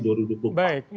begitu dilema politik nasdem